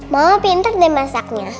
mama pinter deh masaknya